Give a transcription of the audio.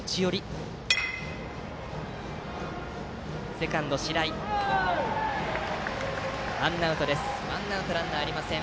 セカンドの白井がさばいてワンアウトランナーありません。